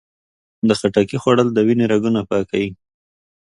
د خټکي خوړل د وینې رګونه پاکوي.